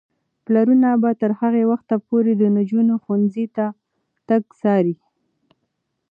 پلرونه به تر هغه وخته پورې د نجونو ښوونځي ته تګ څاري.